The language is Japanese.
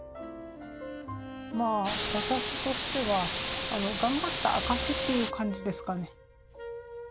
まあ私としては頑張った証しっていう感じですかね。